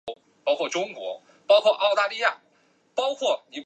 中华民国在北洋政府时期则沿用之。